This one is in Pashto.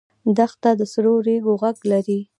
دښته د سرو ریګو غږ لري.